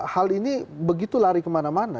hal ini begitu lari kemana mana